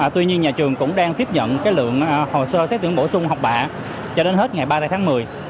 tuy nhiên nhà trường cũng đang tiếp nhận lượng hồ sơ xét tuyển bổ sung học bạ cho đến hết ngày ba mươi tháng một mươi